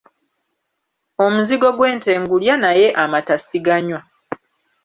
Omuzigo gw'ente ngulya naye amata siganywa.